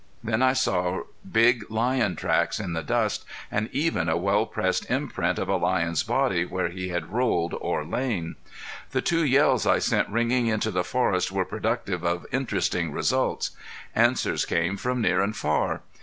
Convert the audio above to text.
Then I saw big lion tracks in the dust and even a well pressed imprint of a lion's body where he had rolled or lain. The two yells I sent ringing into the forest were productive of interesting results. Answers came from near and far.